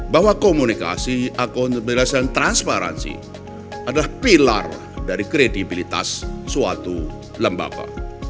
bahwa komunikasi akuntabilitas dan transparansi adalah pilar dari kredibilitas suatu lembaga